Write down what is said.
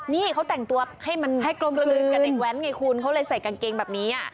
นี่เขาแต่งตัวให้มันให้กลมกลืนกับเด็กแว้นไงคุณเขาเลยใส่กางเกงแบบนี้